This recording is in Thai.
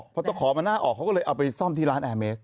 พอตะขอมันหน้าออกเขาก็เลยเอาไปซ่อมที่ร้านแอร์เมส